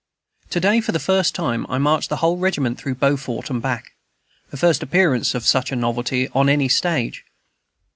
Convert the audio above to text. To day, for the first time, I marched the whole regiment through Beaufort and back, the first appearance of such a novelty on any stage.